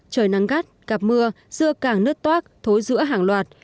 trời nắng gắt cặp mưa dưa càng nứt toát thối dữa hàng loạt